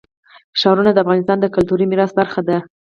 ښارونه د افغانستان د کلتوري میراث برخه ده.